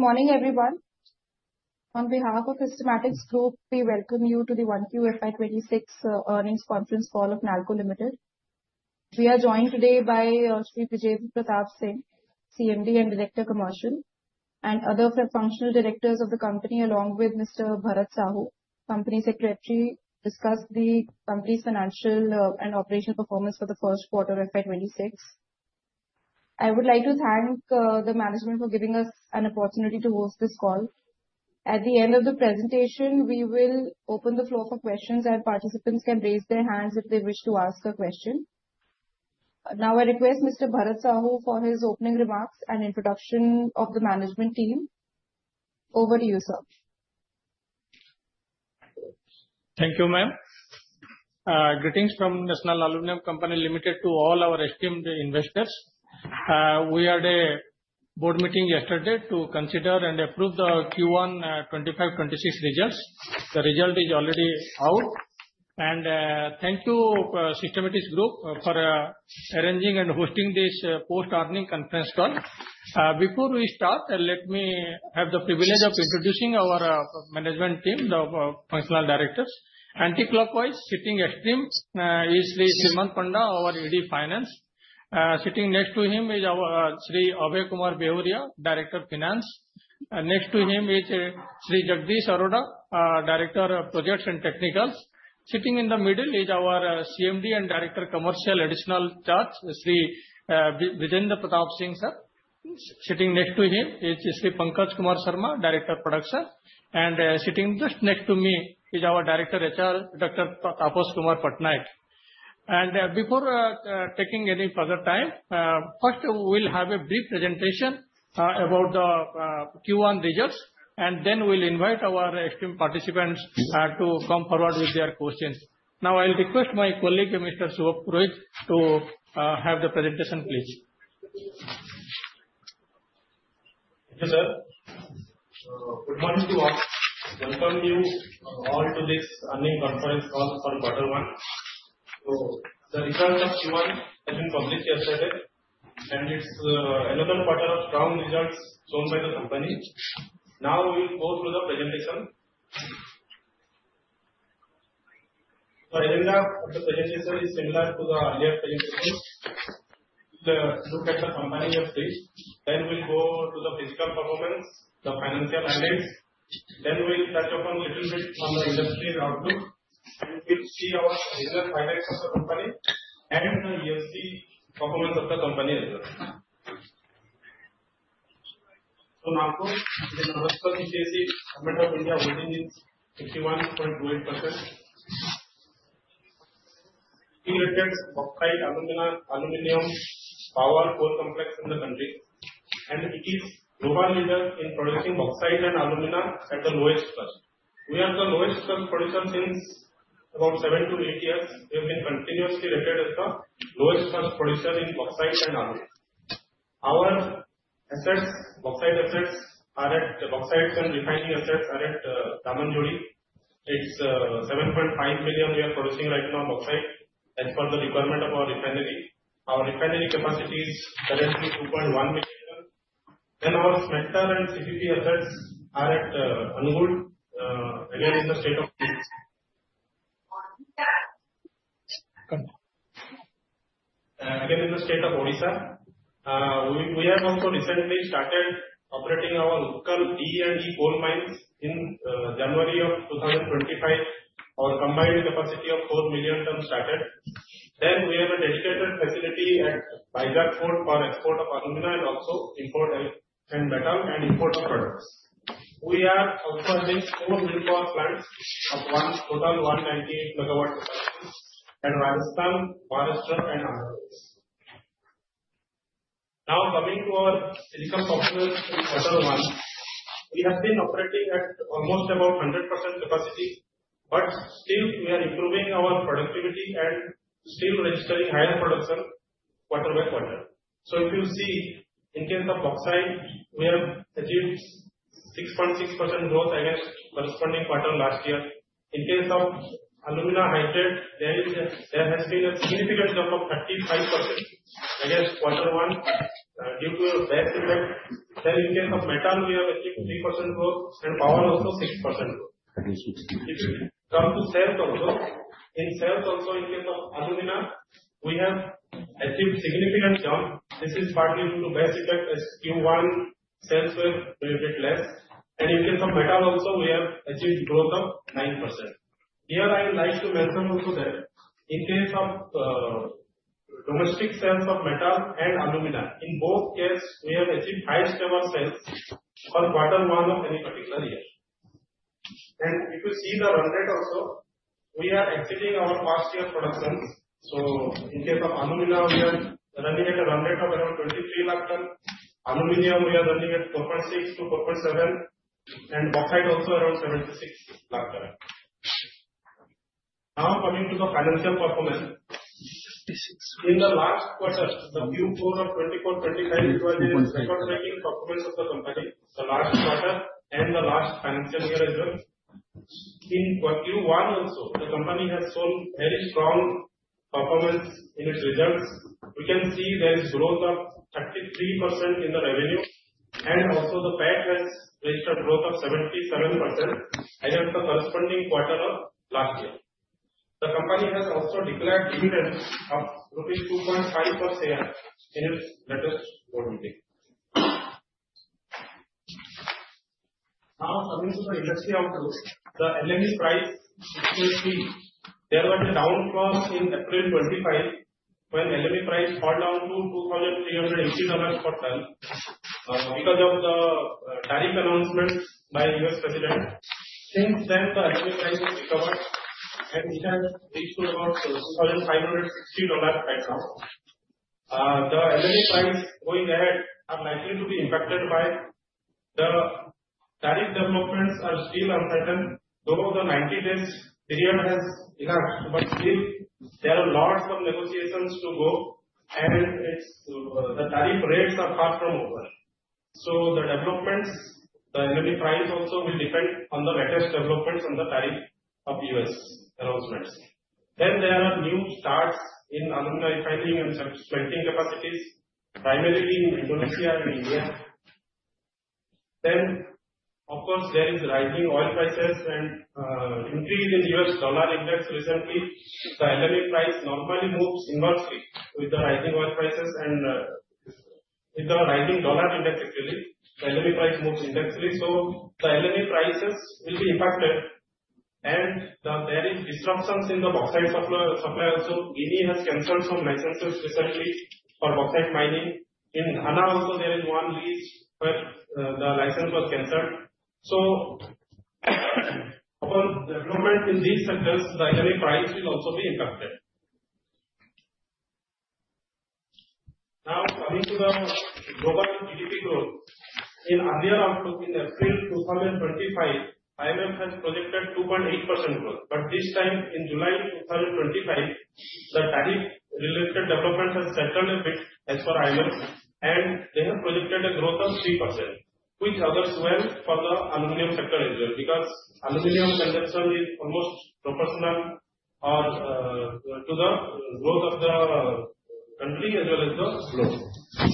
Good morning, everyone. On behalf of Systematix Group, we welcome you to the 1Q FY 2026 earnings conference call of NALCO Limited. We are joined today by Shri Brijendra Pratap Singh, CMD and Director, Commercial, and other functional directors of the company, along with Mr. Bharat Sahu, Company Secretary. Discuss the company's financial and operational performance for the first quarter of FY26. I would like to thank the management for giving us an opportunity to host this call. At the end of the presentation, we will open the floor for questions, and participants can raise their hands if they wish to ask a question. Now, I request Mr. Bharat Sahu for his opening remarks and introduction of the management team. Over to you, sir. Thank you, ma'am. Greetings from National Aluminium Company Limited to all our esteemed investors. We had a board meeting yesterday to consider and approve the Q1 2025-2026 results. The result is already out, and thank you, Systematix Group, for arranging and hosting this post-earnings conference call. Before we start, let me have the privilege of introducing our management team, the functional directors. Anti-clockwise, sitting extreme is Shri Srimanta Panda, our ED Finance. Sitting next to him is our Shri Abhay Kumar Behuria, Director Finance. Next to him is Shri Jagdish Arora, Director of Projects and Technical. Sitting in the middle is our CMD and Director Commercial, Additional Charge, Shri Brijendra Pratap Singh, sir. Sitting next to him is Sri Pankaj Kumar Sharma, Director Production. And sitting just next to me is our Director HR, Dr. Tapas Kumar Pattanayak. Before taking any further time, first, we'll have a brief presentation about the Q1 results, and then we'll invite our esteemed participants to come forward with their questions. Now, I'll request my colleague, Mr. Subrat Purohit, to have the presentation, please. Thank you, sir. Good morning to all. Welcome you all to this earnings conference call for quarter one. The results of Q1 have been published yesterday, and it's another quarter of strong results shown by the company. Now, we'll go through the presentation. The agenda of the presentation is similar to the earlier presentation. We'll look at the company web page. Then we'll go to the physical performance, the financial highlights. Then we'll touch upon a little bit on the industry outlook, and we'll see our business highlights of the company and the year's performance of the company as well. NALCO. We can first appreciate the government of India holding in 51.28%. It is related to bauxite, aluminum, power, and coal complex in the country. It is global leader in producing bauxite and alumina at the lowest cost. We are the lowest cost producer since about seven to eight years. We have been continuously rated as the lowest cost producer in bauxite and alumina. Our assets, bauxite assets are at Panchpatmali and refining assets are at Damanjodi. It's 7.5 million we are producing right now, bauxite, as per the requirement of our refinery. Our refinery capacity is currently 2.1 million. Our smelter and CPP assets are at Angul, again in the state of Odisha. We have also recently started operating our Utkal D and E coal mines in January of 2025. Our combined capacity of 4 million tons started. We have a dedicated facility at Vizag Port for export of alumina and also import of metal and import of products. We are also having four wind farm plants of total 198 MW capacity at Rajasthan, Maharashtra, and other places. Now, coming to our physical performance in quarter one, we have been operating at almost about 100% capacity, but still we are improving our productivity and still registering higher production quarter by quarter. So if you see, in case of bauxite, we have achieved 6.6% growth against corresponding quarter last year. In case of alumina hydrate, there has been a significant jump of 35% against quarter one due to a base effect. Then in case of metal, we have achieved 3% growth and power also 6% growth. If you come to sales also, in sales also, in case of alumina, we have achieved a significant jump. This is partly due to base effect as Q1 sales were a bit less. And in case of metal, also we have achieved growth of 9%. Here I would like to mention also that in case of domestic sales of metal and alumina, in both cases, we have achieved high stable sales for quarter one of any particular year, and if you see the run rate also, we are exceeding our past year's productions, so in case of alumina, we are running at a run rate of around 23 lakh tons. Aluminum, we are running at 4.6-4.7 lakh tons, and bauxite also around 76 lakh tons. Now, coming to the financial performance, in the last quarter, the Q4 of 2024-2025, it was a record-breaking performance of the company. The last quarter and the last financial year as well. In Q1 also, the company has shown very strong performance in its results. We can see there is growth of 33% in the revenue, and also the PAT has registered growth of 77% against the corresponding quarter of last year. The company has also declared dividends of rupees 2.5 per share in its latest board meeting. Now, coming to the industry outlook, the LME price is still steep. There was a downfall in April 25 when LME price fell down to 2,380 rupees per ton because of the tariff announcements by the U.S. president. Since then, the LME price has recovered, and it has reached about $2,560 right now. The LME price going ahead are likely to be impacted by the tariff developments are still uncertain. Though the 90-day period has elapsed, but still there are lots of negotiations to go, and the tariff rates are far from over. The developments, the LME price also will depend on the latest developments on the tariff announcements of the U.S. Then there are new starts in alumina refining and smelting capacities, primarily in Indonesia and India. Then, of course, there is rising oil prices and increase in U.S. dollar index recently. The LME price normally moves inversely with the rising oil prices and with the rising dollar index, actually. The LME price moves inversely. The LME prices will be impacted, and there are disruptions in the bauxite supply also. Guinea has canceled some licenses recently for bauxite mining. In Ghana, also there is one lease where the license was canceled. Depending on developments in these sectors, the LME price will also be impacted. Now, coming to the global GDP growth, in earlier outlook, in April 2025, IMF has projected 2.8% growth. But this time, in July 2025, the tariff-related development has settled a bit as per IMF, and they have projected a growth of 3%, which bodes well for the aluminum sector as well because aluminum consumption is almost proportional to the growth of the country as well as the globe.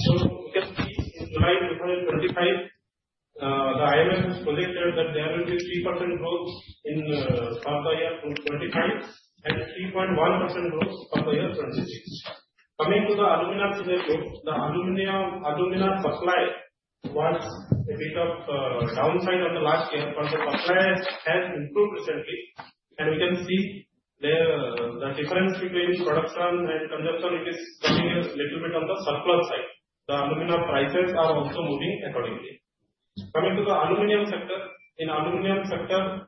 So you can see in July 2025, the IMF has projected that there will be 3% growth in the year 2025 and 3.1% growth for the year 2026. Coming to the alumina scenario, the alumina supply was a bit on the downside last year, but the supply has improved recently. And we can see the difference between production and consumption. It is coming a little bit on the surplus side. The alumina prices are also moving accordingly. Coming to the aluminum sector, in the aluminum sector,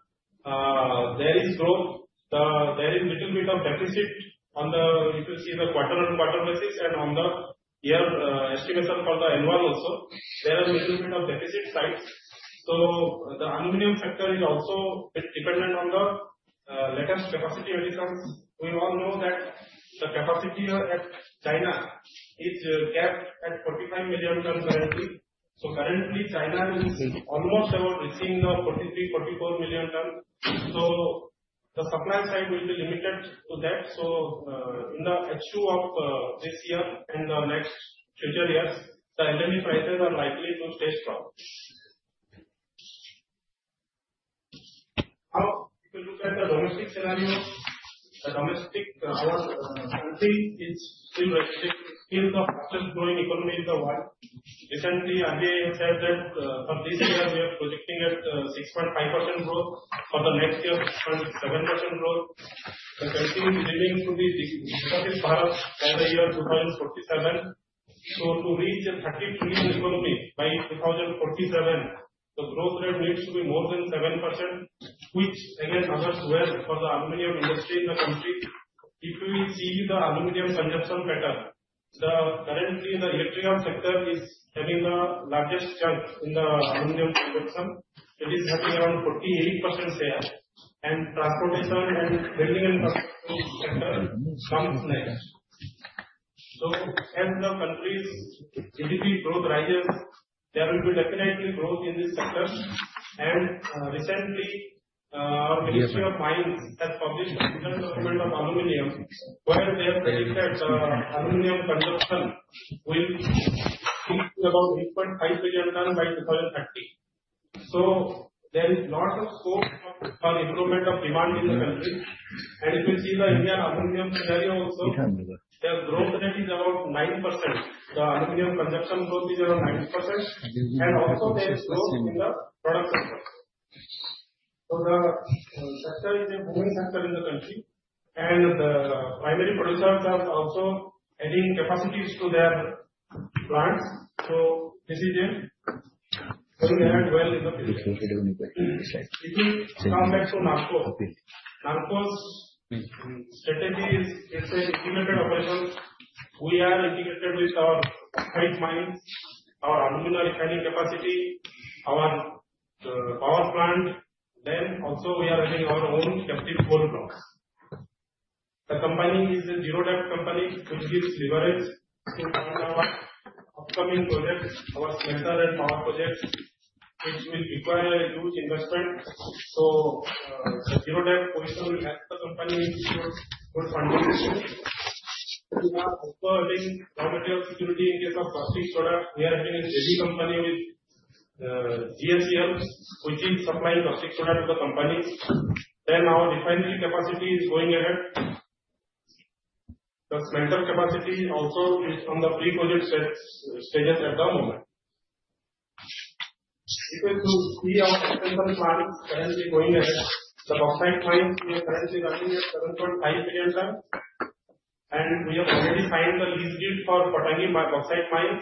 there is growth. There is a little bit of deficit on the, if you see the quarter-on-quarter basis and on the year-on-year estimation for the annual also, there are a little bit of deficit sides. So the aluminum sector is also a bit dependent on the latest capacity additions. We all know that the capacity in China is capped at 45 million tons currently. So currently, China is almost about reaching the 43 million tons-44 million tons. So the supply side will be limited to that. So in the issue of this year and the next future years, the LME prices are likely to stay strong. Now, if you look at the domestic scenario, the domestic, our country is still registering as still the fastest growing economy in the world. Recently, RBI has said that for this year, we are projecting at 6.5% growth. For the next year, 6.7% growth. The country is aiming to be the biggest part of the year 2047, so to reach a 30 trillion economy by 2047, the growth rate needs to be more than 7%, which again bodes well for the aluminum industry in the country. If we see the aluminum consumption pattern, currently the electrical sector is having the largest jump in the aluminum consumption. It is having around 48% share, and transportation and building and construction sector comes next, so as the country's GDP growth rises, there will be definitely growth in this sector, and recently, our Ministry of Mines has published a detailed document of aluminum where they have predicted the aluminum consumption will be about 8.5 million tons by 2030. So there is lots of scope for improvement of demand in the country, and if you see the Indian aluminum scenario also, the growth rate is around 9%. The aluminum consumption growth is around 9%. And also there is growth in the product sector. So the sector is a booming sector in the country. And the primary producers are also adding capacities to their plants. So this is going ahead well in the future. If we come back to NALCO, NALCO strategy is it's an integrated operation. We are integrated with our bauxite mines, our alumina refining capacity, our power plant. Then also we are adding our own captive coal blocks. The company is a zero-debt company, which gives leverage to fund our upcoming projects, our smelter and power projects, which will require a huge investment. So the zero-debt position will help the company in good funding. We are also adding raw material security in case of caustic soda. We are having a JV company with GACL, which is supplying caustic soda to the company. Then our refinery capacity is going ahead. The smelter capacity also is on the pre-clearance stages at the moment. If you see our extension plans currently going ahead, the bauxite mines we are currently running at 7.5 million tons. And we have already signed the lease deed for Pottangi bauxite mines,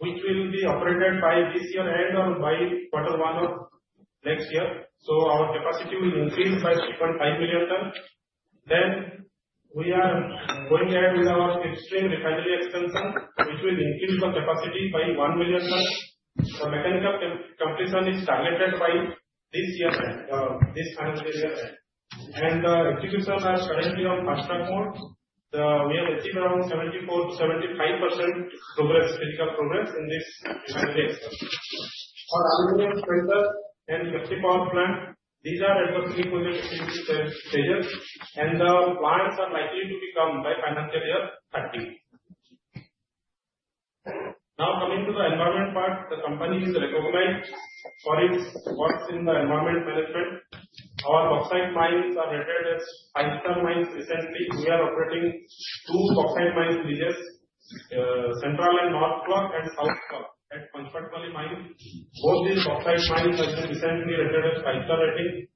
which will be operated by this year end or by quarter one of next year. So our capacity will increase by 3.5 million tons. Then we are going ahead with our fifth stream refinery extension, which will increase the capacity by one million tons. The mechanical completion is targeted by this year's end, this financial year end. And the execution is currently on fast track mode. We have achieved around 74%-75% physical progress in this refinery expansion. For aluminum smelter and captive coal plant, these are at the pre-clearance stages and the plants are likely to become by financial year 2030. Now coming to the environment part, the company is recognized for its works in the environment management. Our bauxite mines are rated as 5-star mines recently. We are operating two bauxite mines, Central and North Block and South Block at Panchpatmali Mine. Both these bauxite mines have been recently rated as 5-star ratings.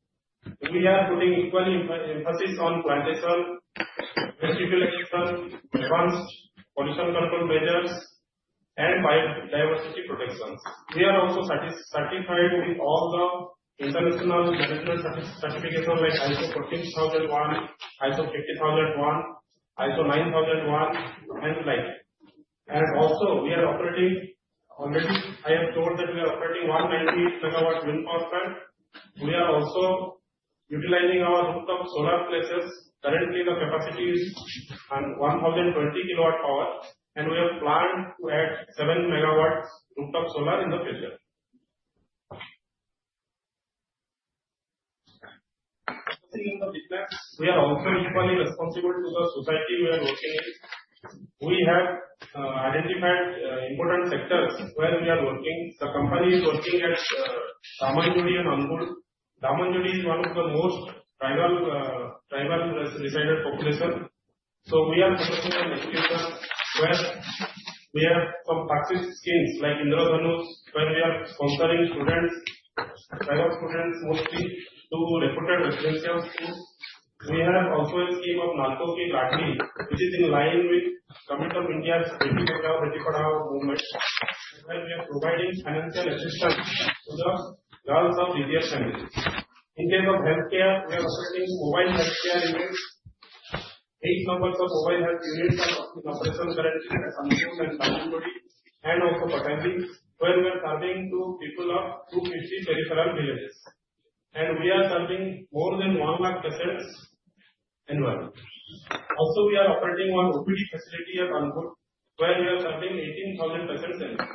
We are putting equal emphasis on plantation, recirculation, advanced pollution control measures, and biodiversity protections. We are also certified with all the international management certifications like ISO 14001, ISO 50001, ISO 9001, and the like. We are operating already. I have told that we are operating 198 megawatts wind power plant. We are also utilizing our rooftop solar plants. Currently, the capacity is 1,020 kW power, and we have planned to add 7 MW rooftop solar in the future. We are also equally responsible to the society we are working in. We have identified important sectors where we are working. The company is working at Damanjodi and Angul. Damanjodi is one of the most tribal resided populations. So we are focusing on education where we have some CSR schemes like Indradhanush, where we are sponsoring students, tribal students mostly to reputed residential schools. We have also a scheme of Nalco Ki Ladli, which is in line with the Government of India's Beti Bachao Beti Padhao movement. We are providing financial assistance to the girls of BPL families. In case of healthcare, we are assisting mobile healthcare units. Eight numbers of mobile health units are in operation currently at Angul and Damanjodi and also Pottangi, where we are serving people of 250 peripheral villages. And we are serving more than 1 lakh patients annually. Also, we are operating one OPD facility at Angul, where we are serving 18,000 patients annually.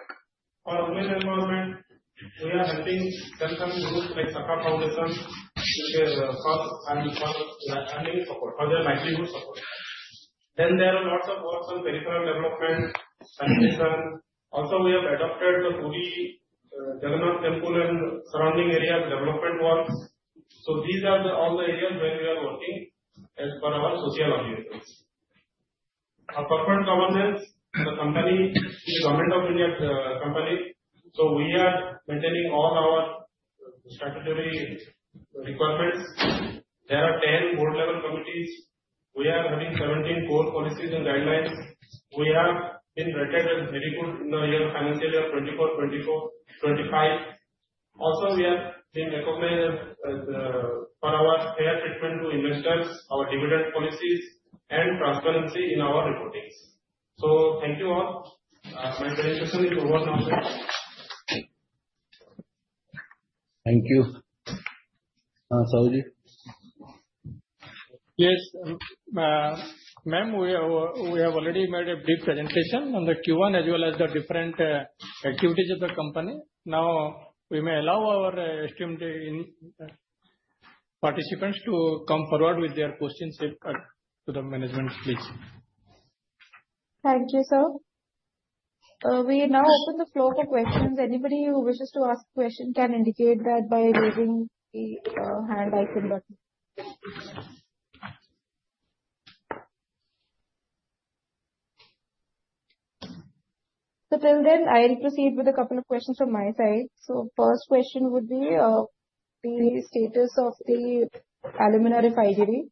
For women's empowerment, we are helping self-help groups like Sakha Foundation for their livelihood support. Then there are lots of works on peripheral development, sanitation. Also, we have adopted the Puri Jagannath Temple and surrounding areas development works. So these are all the areas where we are working as per our social efforts. For corporate governance, the company is the Government of India company. So we are maintaining all our statutory requirements. There are 10 board-level committees. We are having 17 core policies and guidelines. We have been rated as very good in financial year 2024-2025. Also, we have been recognized for our fair treatment to investors, our dividend policies, and transparency in our reporting. So thank you all. My presentation is over now. Thank you. Yes, ma'am, we have already made a brief presentation on the Q1 as well as the different activities of the company. Now, we may allow our esteemed participants to come forward with their questions to the management, please. Thank you, sir. We now open the floor for questions. Anybody who wishes to ask a question can indicate that by raising the hand icon button. So till then, I will proceed with a couple of questions from my side. First question would be the status of the alumina refinery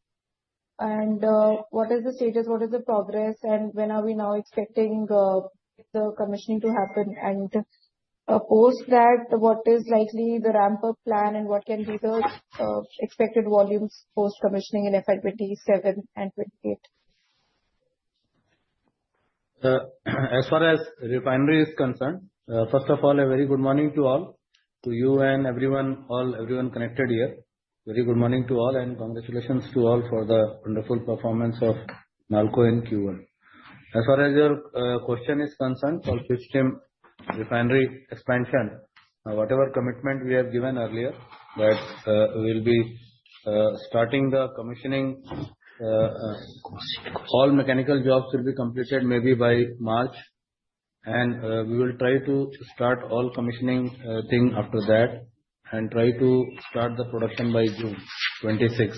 and what is the status, what is the progress, and when are we now expecting the commissioning to happen? And post that, what is likely the ramp-up plan and what can be the expected volumes post-commissioning in FY 2027 and FY 2028? As far as refinery is concerned, first of all, a very good morning to all. To you and everyone connected here, very good morning to all and congratulations to all for the wonderful performance of NALCO in Q1. As far as your question is concerned for Fifth Stream refinery expansion, whatever commitment we have given earlier that we will be starting the commissioning, all mechanical jobs will be completed maybe by March, and we will try to start all commissioning thing after that and try to start the production by June 26.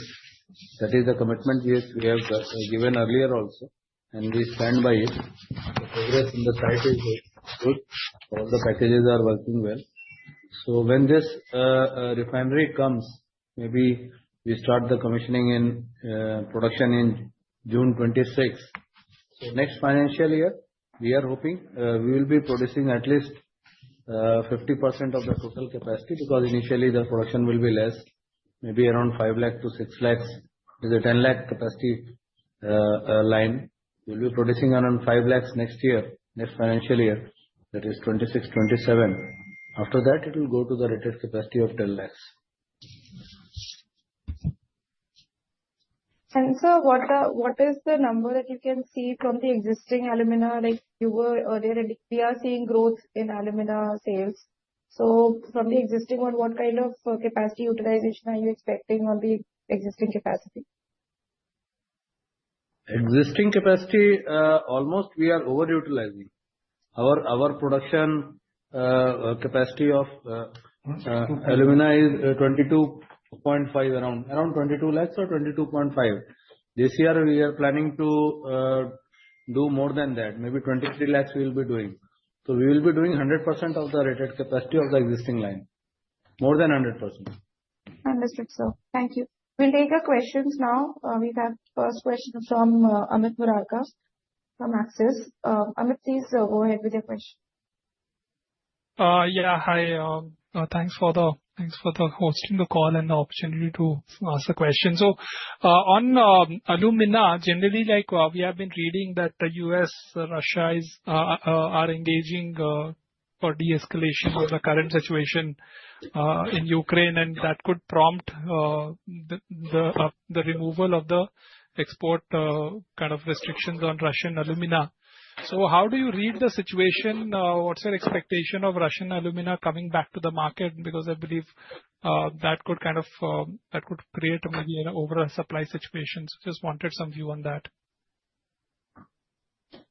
That is the commitment we have given earlier also. And we stand by it. The progress in the site is good. All the packages are working well. So when this refinery comes, maybe we start the commissioning and production in June 2026. So next financial year, we are hoping we will be producing at least 50% of the total capacity because initially the production will be less, maybe around 5 lakh-6 lakhs. There's a 10 lakh capacity line. We'll be producing around 5 lakhs next year, next financial year, that is 2026-2027. After that, it will go to the rated capacity of 10 lakhs. And sir, what is the number that you can see from the existing alumina like you were earlier? We are seeing growth in alumina sales. So from the existing one, what kind of capacity utilization are you expecting on the existing capacity? Existing capacity, almost we are over-utilizing. Our production capacity of alumina is 22.5 lahks around, around 22 lakhs or 22.5 lakhs. This year, we are planning to do more than that. Maybe 23 lakhs we will be doing. So we will be doing 100% of the rated capacity of the existing line. More than 100%. Understood, sir. Thank you. We'll take your questions now. We have first question from Amit Murarka from Axis. Amit, please go ahead with your question. Yeah, hi. Thanks for hosting the call and the opportunity to ask the question. So on alumina, generally, we have been reading that the U.S., Russia are engaging for de-escalation of the current situation in Ukraine, and that could prompt the removal of the export kind of restrictions on Russian alumina. So how do you read the situation? What's your expectation of Russian alumina coming back to the market? Because I believe that could kind of create maybe an over-supply situation. So just wanted some view on that.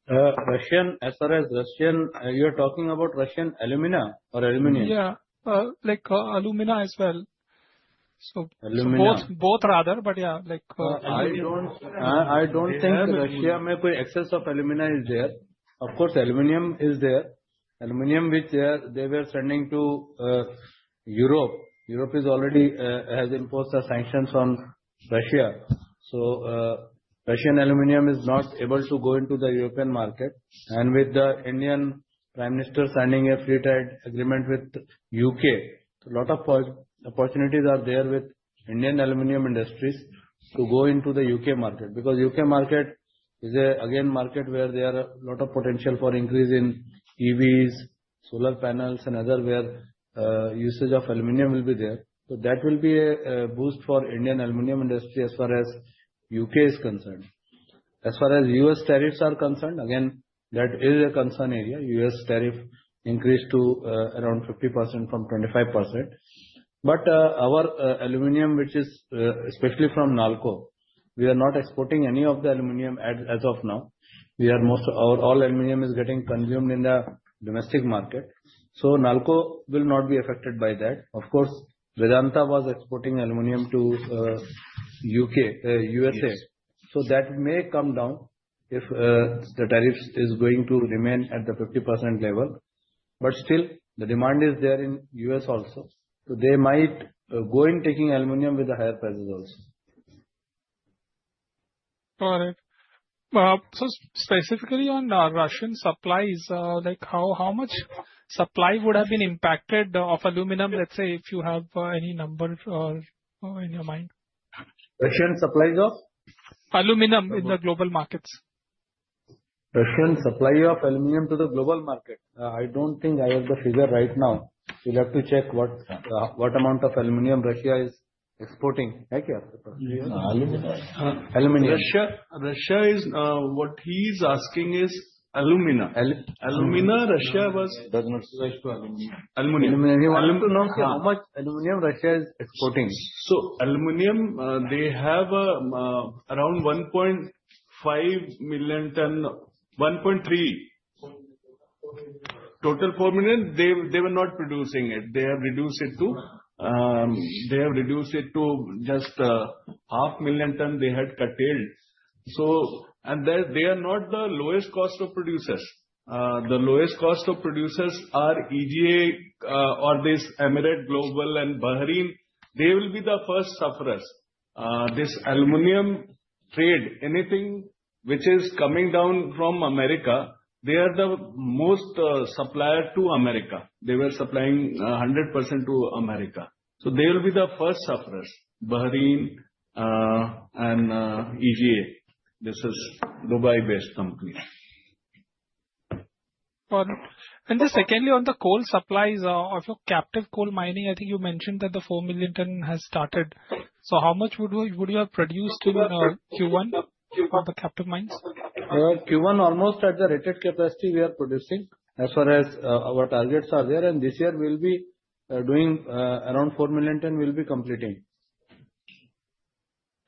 As far as Russian, you are talking about Russian alumina or aluminum? Yeah, like alumina as well. So both rather, but yeah, like. I don't think Russia may be excess of alumina is there. Of course, aluminum is there. Aluminum, which they were sending to Europe. Europe has already imposed sanctions on Russia. So Russian aluminum is not able to go into the European market. And with the Indian Prime Minister signing a free trade agreement with the UK, a lot of opportunities are there with Indian aluminum industries to go into the UK market. Because the UK market is again a market where there is a lot of potential for increase in EVs, solar panels, and other where usage of aluminum will be there. So that will be a boost for the Indian aluminum industry as far as the U.K. is concerned. As far as U.S. tariffs are concerned, again, that is a concern area. U.S. tariff increased to around 50% from 25%. But our aluminum, which is especially from NALCO, we are not exporting any of the aluminum as of now. We are most, all aluminum is getting consumed in the domestic market. So NALCO will not be affected by that. Of course, Vedanta was exporting aluminum to USA. So that may come down if the tariffs are going to remain at the 50% level. But still, the demand is there in the U.S. also. So they might go in taking aluminum with the higher prices also. Got it. So specifically on Russian supplies, how much supply would have been impacted of aluminum, let's say, if you have any number in your mind? Russian supply of aluminum to the global market. I don't think I have the figure right now. We'll have to check what amount of aluminum Russia is exporting. What he is asking is alumina. Alumina, Russia does not supply alumina. Aluminum. He wants to know how much aluminum Russia is exporting. So aluminum, they have around 1.5 million tons, 1.3 million tons. Total 4 million tons. They were not producing it. They have reduced it to just 500,000 tons they had curtailed. They are not the lowest cost producers. The lowest cost producers are EGA or this Emirates Global Aluminium and Bahrain. They will be the first sufferers. This aluminum trade, anything which is coming down from America, they are the most supplier to America. They were supplying 100% to America. So they will be the first sufferers. Bahrain and EGA. This is Dubai-based company. Got it. And then secondly, on the coal supplies of your captive coal mining, I think you mentioned that the 4 million tons has started. So how much would you have produced in Q1 for the captive mines? Q1, almost at the rated capacity we are producing. As far as our targets are there. And this year we'll be doing around 4 million tons will be completing.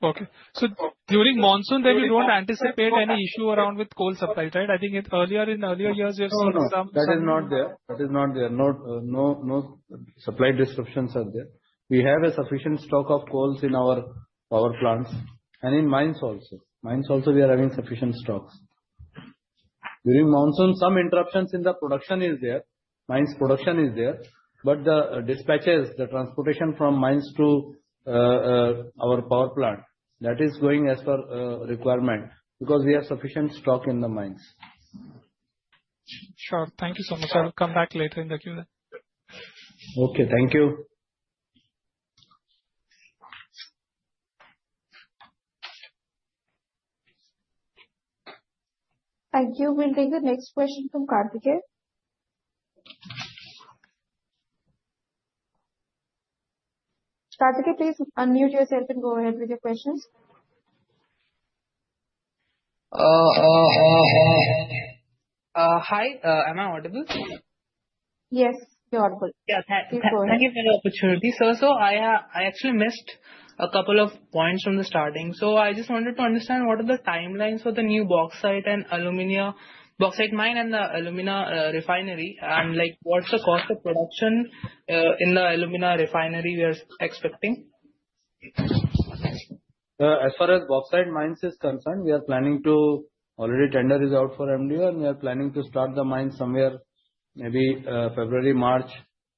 Okay. So during monsoon, then you don't anticipate any issue around with coal supplies, right? I think earlier in earlier years, you have seen some. No, no. That is not there. That is not there. No supply disruptions are there. We have a sufficient stock of coal in our power plants. And in mines also. Mines also, we are having sufficient stocks. During monsoon, some interruptions in the production is there. Mines production is there. But the dispatches, the transportation from mines to our power plant, that is going as per requirement. Because we have sufficient stock in the mines. Sure. Thank you so much. I will come back later in the Q&A. Okay. Thank you. Thank you. We'll take the next question from Karthikeyan. Karthikeyan, please unmute yourself and go ahead with your questions. Hi. Am I audible? Yes, you're audible. Thank you for the opportunity. So I actually missed a couple of points from the starting. So I just wanted to understand what are the timelines for the new bauxite and alumina bauxite mine and the alumina refinery. And what's the cost of production in the alumina refinery we are expecting? As far as bauxite mines is concerned, we are planning to already tender is out for MDO, and we are planning to start the mines somewhere maybe February, March.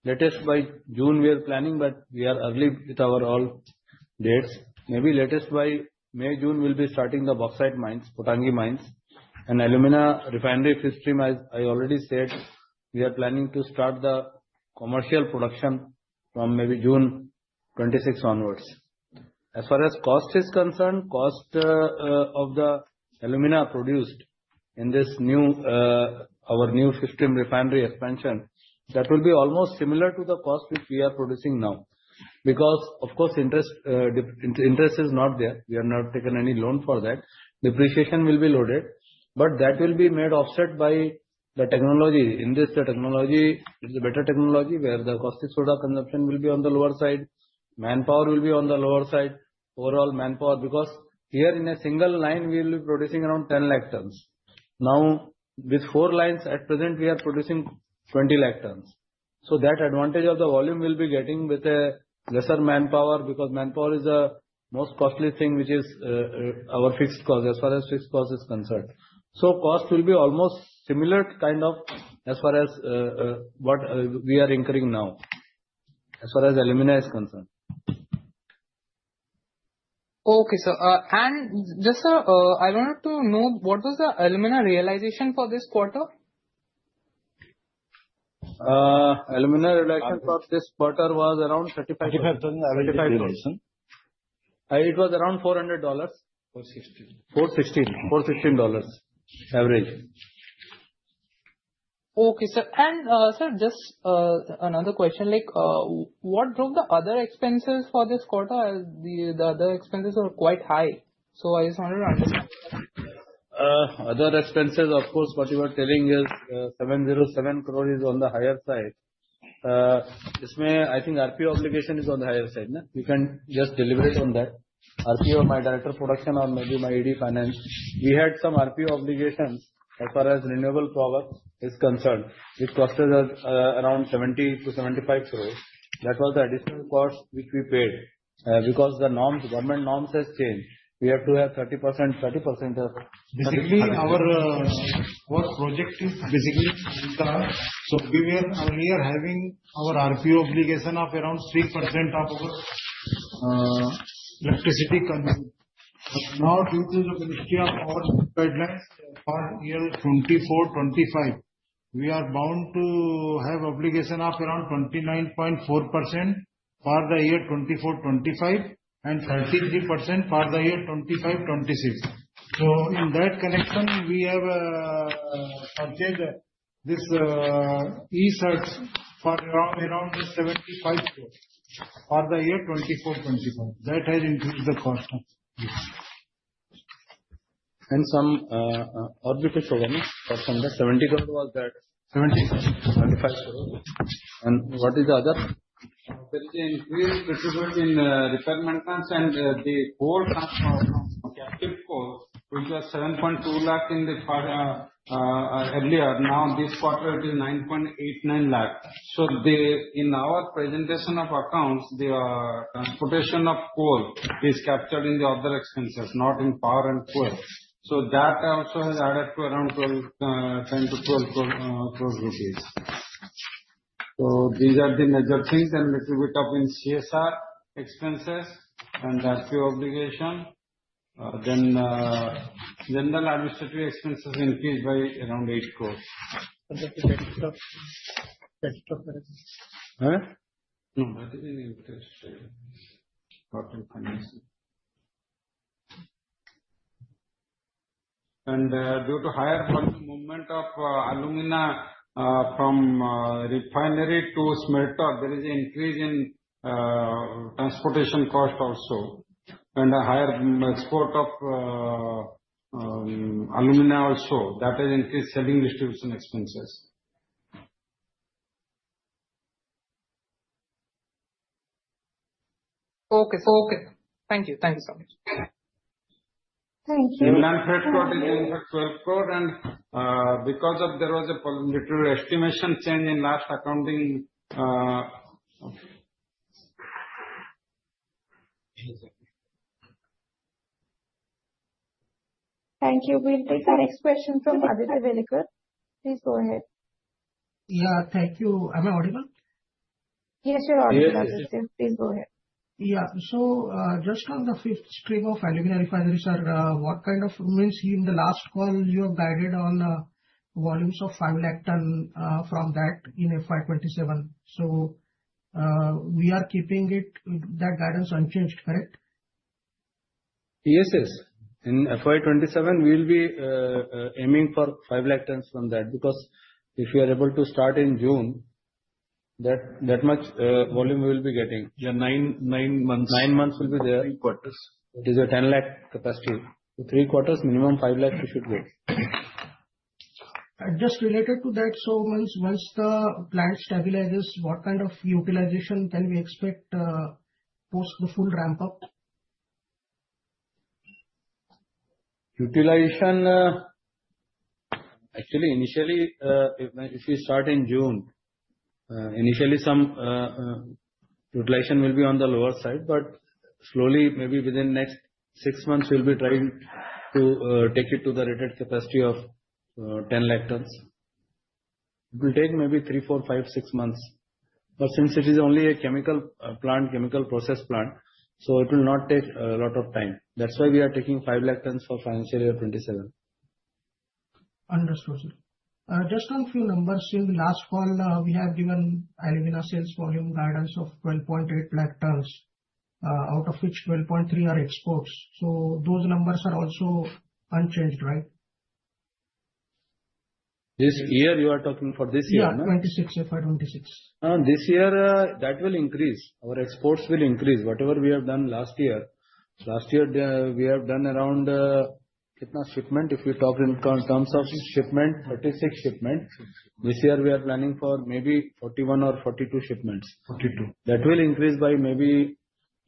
Latest by June, we are planning, but we are early with our all dates. Maybe latest by May, June, we'll be starting the bauxite mines, Pottangi mines. And alumina refinery fifth stream, as I already said, we are planning to start the commercial production from maybe June 26 onwards. As far as cost is concerned, cost of the alumina produced in this new, our new fifth stream refinery expansion, that will be almost similar to the cost which we are producing now. Because, of course, interest is not there. We have not taken any loan for that. Depreciation will be loaded. But that will be made offset by the technology. In this, the technology is a better technology where the cost of soda consumption will be on the lower side. Manpower will be on the lower side. Overall manpower, because here in a single line, we will be producing around 10 lakh tons. Now, with four lines at present, we are producing 20 lakh tons. So that advantage of the volume we'll be getting with a lesser manpower because manpower is the most costly thing, which is our fixed cost as far as fixed cost is concerned. So cost will be almost similar kind of as far as what we are incurring now, as far as alumina is concerned. Okay. And just, sir, I wanted to know what was the alumina realization for this quarter? Alumina realization for this quarter was around $35,000. It was around $400. $416 average. Okay, sir. And sir, just another question. What drove the other expenses for this quarter as the other expenses were quite high? So I just wanted to understand. Other expenses, of course, what you are telling is 707 crore is on the higher side. This may, I think, RPO obligation is on the higher side, no? We can just deliberate on that. RPO, my director of production, or maybe my ED finance. We had some RPO obligations as far as renewable power is concerned. It cost us around 70- 75 crore. That was the additional cost which we paid. Because the norms, government norms has changed. We have to have 30%, 30% of. Basically, our project is basically so we are having our RPO obligation of around 3% of our electricity consumption. Now, due to the Ministry of Power guidelines for year 2024-2025, we are bound to have obligation of around 29.4% for the year 2024-2025 and 33% for the year 2025-2026. So in that connection, we have purchased this REC for around INR 75 crore for the year 2024-2025. That has increased the cost. And some orbital program for something. 70 crore was that. 75 crore. And what is the other? There is an increase in repair and maintenance and the whole captive coal, which was INR 7.2 lakh earlier. Now, this quarter, it is 9.89 lakh. So in our presentation of accounts, the transportation of coal is captured in the other expenses, not in power and coal. So that also has added to around 10 crore-12 crore rupees. So these are the major things and a little bit in CSR expenses and RPO obligation. Then general administrative expenses increased by around 8 crore. No, that is in interest rate of coal financing. And due to higher volume movement of alumina from refinery to smelter, there is an increase in transportation cost also. And higher export of alumina also. That has increased selling distribution expenses. Okay. Okay. Thank you. Thank you so much. Thank you. And INR 12 crore is in 12 crore. And because there was a little estimation change in last accounting. Thank you. We'll take our next question from Aditya Welekar. Please go ahead. Yeah. Thank you. Am I audible? Yes, you're audible, Aditya. Please go ahead. Yeah. So just on the fifth stream of alumina refinery, sir, what kind of means in the last call you have guided on volumes of 500,000 tons from that in FY 2027? So we are keeping that guidance unchanged, correct? Yes, yes. In FY 2027, we will be aiming for five lakh tons from that. Because if we are able to start in June, that much volume we will be getting. Yeah, nine months. Nine months will be there. It is a 10 lakh capacity. Three quarters, minimum five lakh we should go. Just related to that, so once the plant stabilizes, what kind of utilization can we expect post the full ramp-up? Utilization, actually, initially, if we start in June, initially some utilization will be on the lower side. But slowly, maybe within the next six months, we'll be trying to take it to the rated capacity of 10 lakh tons. It will take maybe three, four, five, six months. But since it is only a chemical plant, chemical process plant, so it will not take a lot of time. That's why we are taking five lakh tons for financial year 2027. Understood, sir. Just on a few numbers, in the last call, we have given alumina sales volume guidance of 12.8 lakh tons, out of which 12.3 are exports. So those numbers are also unchanged, right? This year, you are talking for this year, no? Yeah, 2026, FY 2026. This year, that will increase. Our exports will increase. Whatever we have done last year, last year we have done around kind of shipment, if you talk in terms of shipment, 36 shipments. This year, we are planning for maybe 41 or 42 shipments. That will increase by maybe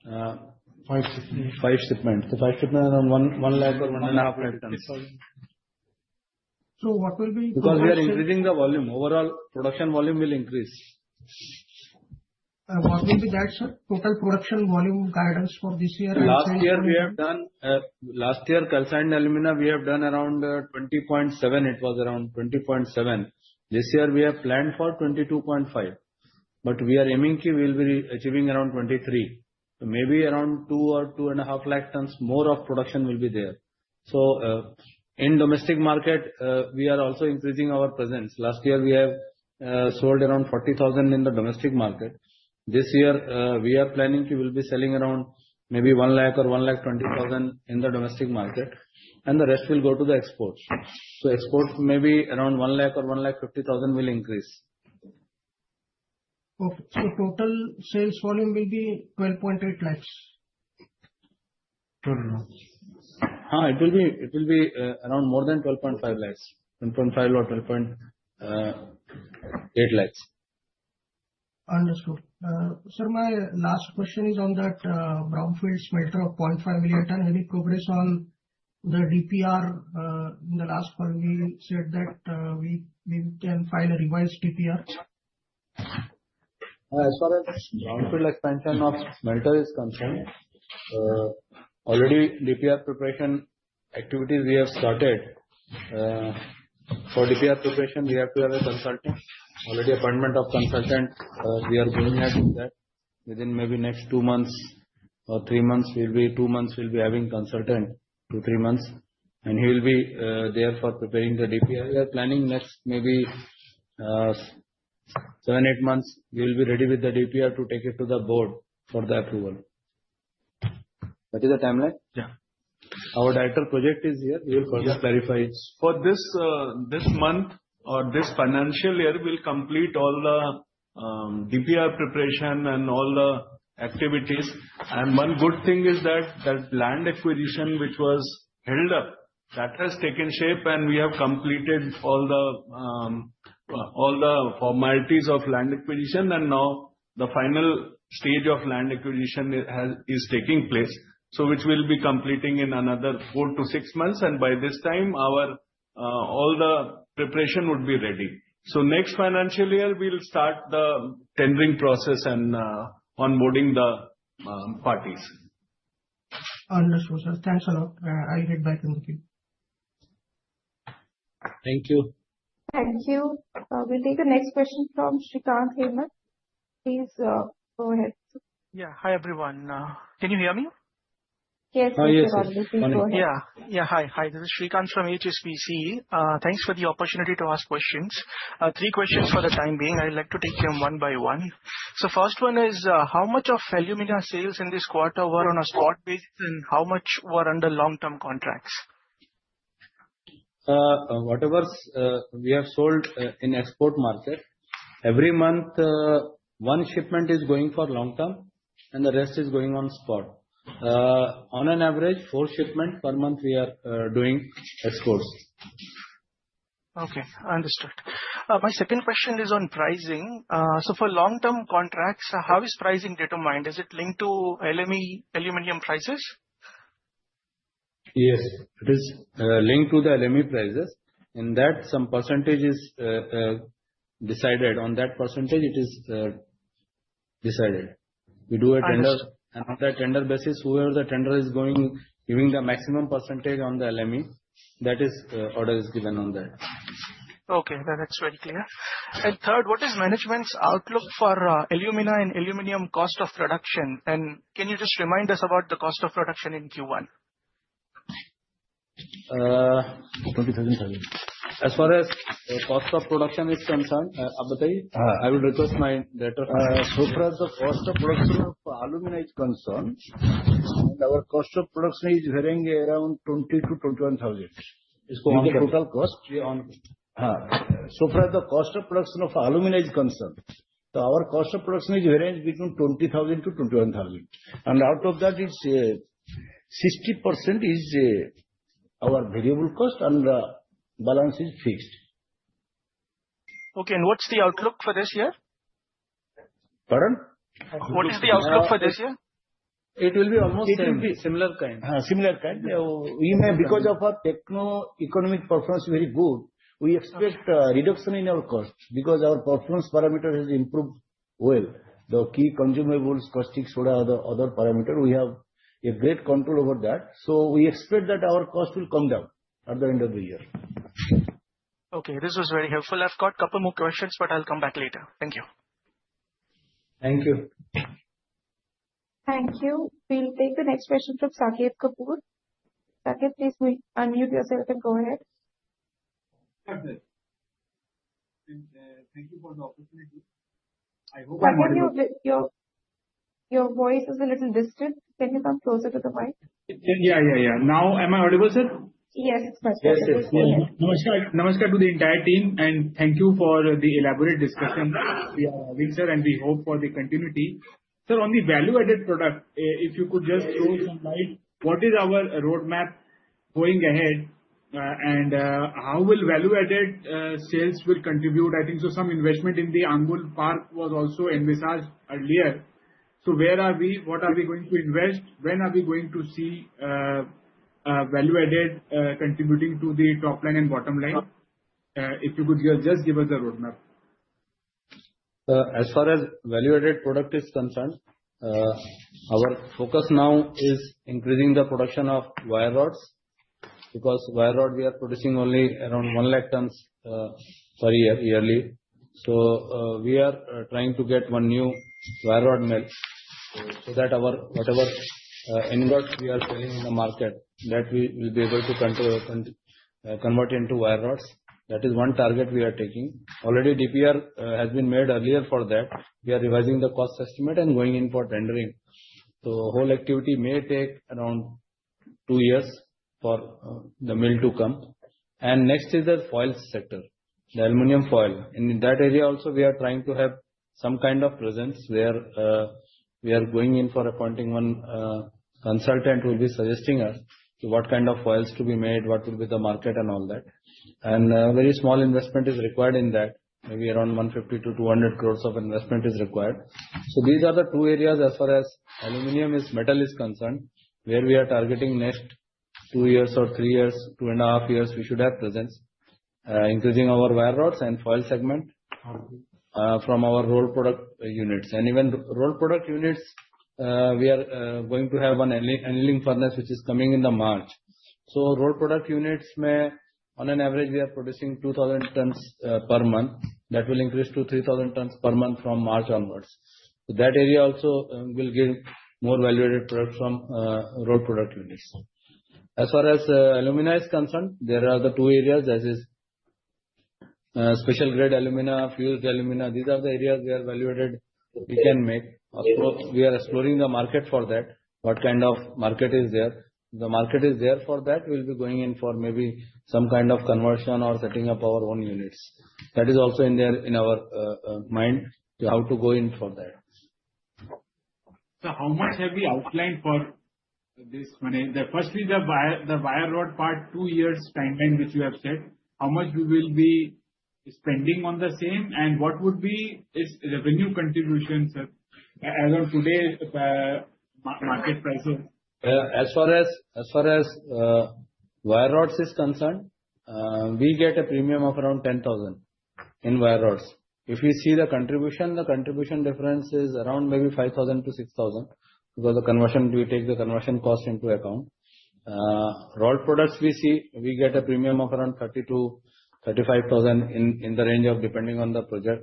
5 shipments. The 5 shipments are around 1 lakh tons or 1.5 lakh tons. So what will be? Because we are increasing the volume. Overall production volume will increase. What will be that, sir? Total production volume guidance for this year and last year? Last year, we have done calcined alumina around 20.7 lakh tons. It was around 20.7 lakh tons. This year, we have planned for 22.5 lakh tons. But we are aiming we will be achieving around 23 lakh tons. Maybe around 2 lakh tons or 2.5 lakh tons more of production will be there. So in domestic market, we are also increasing our presence. Last year, we have sold around 40,000 in the domestic market. This year, we are planning we will be selling around maybe 1 lakh or 120,000 lakh in the domestic market. And the rest will go to the exports. So exports maybe around 1 lakh or 150,000 lakh will increase. Okay. So total sales volume will be 12.8 lakhs? Huh? It will be around more than 12.5 lakhs. 12.5 lakhs or 12.8 lakhs. Understood. Sir, my last question is on that brownfield smelter of 0.5 million ton. Any progress on the DPR in the last call? We said that we can file a revised DPR. As far as Brownfield expansion of smelter is concerned, already DPR preparation activities we have started. For DPR preparation, we have to have a consultant. Already appointment of consultant, we are going ahead with that. Within maybe next two months or three months, we'll be having consultant two, three months. He will be there for preparing the DPR. We are planning next maybe seven, eight months, we will be ready with the DPR to take it to the board for the approval. That is the timeline? Yeah. Our Director Project is here. He will further clarify. For this month or this financial year, we'll complete all the DPR preparation and all the activities. One good thing is that land acquisition, which was held up, that has taken shape. We have completed all the formalities of land acquisition. Now the final stage of land acquisition is taking place, which we'll be completing in another four to six months. By this time, all the preparation would be ready. Next financial year, we'll start the tendering process and onboarding the parties. Understood, sir. Thanks a lot. I'll get back in the field. Thank you. Thank you. We'll take the next question from Shrikant. Please go ahead. Yeah. Hi, everyone. Can you hear me? Yes, you can hear me. Yeah. Yeah. Hi. Hi. This is Shrikant from HSBC. Thanks for the opportunity to ask questions. Three questions for the time being. I'd like to take them one by one. So first one is, how much of alumina sales in this quarter were on a spot basis and how much were under long-term contracts? Whatever we have sold in export market, every month, one shipment is going for long-term and the rest is going on spot. On an average, four shipments per month we are doing exports. Okay. Understood. My second question is on pricing. So for long-term contracts, how is pricing determined? Is it linked to LME aluminum prices? Yes. It is linked to the LME prices. In that, some percentage is decided. On that percentage, it is decided. We do a tender. And on that tender basis, whoever the tender is going, giving the maximum percentage on the LME, that is order is given on that. Okay. That's very clear. And third, what is management's outlook for alumina and aluminum cost of production? Can you just remind us about the cost of production in Q1? INR 20,000. As far as cost of production is concerned, I will request my director. So far, the cost of production of alumina is concerned. Our cost of production is varying around 20,000 to 21,000. It's the total cost. So far, the cost of production of alumina is concerned. Our cost of production is varying between 20,000 to 21,000. And out of that, 60% is our variable cost and the balance is fixed. Okay. What's the outlook for this year? Pardon? What is the outlook for this year? It will be almost the same. It will be similar kind. Similar kind. Because of our techno-economic performance is very good, we expect a reduction in our cost because our performance parameter has improved well. The key consumables, caustics, soda, other parameters, we have a great control over that. So we expect that our cost will come down at the end of the year. Okay. This was very helpful. I've got a couple more questions, but I'll come back later. Thank you. Thank you. Thank you. We'll take the next question from Saket Kapoor. Saket, please unmute yourself and go ahead. Thank you for the opportunity. I hope I can hear you. Your voice is a little distant. Can you come closer to the mic? Yeah, yeah, yeah. Now, am I audible, sir? Yes, it's perfect. Yes, yes. Namaskar. Namaskar to the entire team. And thank you for the elaborate discussion we are having, sir. And we hope for the continuity. Sir, on the value-added product, if you could just show some light, what is our roadmap going ahead? And how will value-added sales contribute? I think some investment in the Angul Park was also envisaged earlier. So where are we? What are we going to invest? When are we going to see value-added contributing to the top line and bottom line? If you could just give us the roadmap. As far as value-added product is concerned, our focus now is increasing the production of wire rods. Because wire rod, we are producing only around 1 lakh tons per year yearly. So we are trying to get one new wire rod mill so that whatever ingots we are selling in the market, that we will be able to convert into wire rods. That is one target we are taking. Already, DPR has been made earlier for that. We are revising the cost estimate and going in for tendering. So the whole activity may take around two years for the mill to come. Next is the foil sector, the aluminum foil. In that area also, we are trying to have some kind of presence where we are going in for appointing one consultant who will be suggesting us what kind of foils to be made, what will be the market, and all that. A very small investment is required in that. Maybe around 150-200 crore of investment is required. These are the two areas as far as aluminum is metal is concerned where we are targeting next two years or three years, two and a half years, we should have presence, increasing our wire rods and foil segment from our roll product units. Even roll product units, we are going to have an annealing furnace which is coming in March. Roll product units, on an average, we are producing 2,000 tons per month. That will increase to 3,000 tons per month from March onwards. That area also will give more value-added products from roll product units. As far as alumina is concerned, there are the two areas as is special grade alumina, fused alumina. These are the areas where value-added we can make. We are exploring the market for that. What kind of market is there? The market is there for that. We'll be going in for maybe some kind of conversion or setting up our own units. That is also in our mind how to go in for that. So how much have we outlined for this? Firstly, the wire rod part, two years timeline which you have said, how much we will be spending on the same? And what would be its revenue contribution, sir, as of today's market prices? As far as wire rods is concerned, we get a premium of around 10,000 in wire rods. If you see the contribution, the contribution difference is around maybe 5,000-6,000 because of conversion. We take the conversion cost into account. Rolled products we see, we get a premium of around 30,000-35,000 in the range of depending on the product.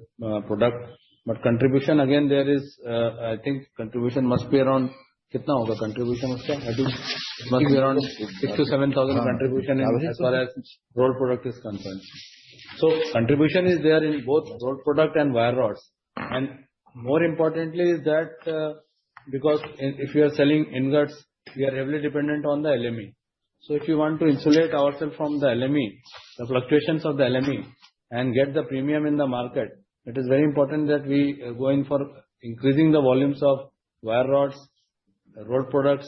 But contribution, again, there is, I think contribution must be around kinda how the contribution must be around INR 6,000-INR 7,000 contribution as far as rolled product is concerned. So contribution is there in both rolled product and wire rods. More importantly is that because if you are selling ingots, we are heavily dependent on the LME. If you want to insulate ourselves from the LME, the fluctuations of the LME, and get the premium in the market, it is very important that we go in for increasing the volumes of wire rods, rolled products,